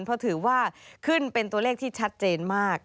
เพราะถือว่าขึ้นเป็นตัวเลขที่ชัดเจนมาก